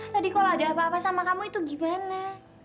tadi kalau ada apa apa sama kamu itu gimana